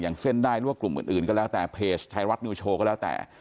อย่างเซ่นได้หรือกลุ่มอื่นก็แล้วแต่เพจไทรวัฒน์มิวโชว์ก็แล้วแต่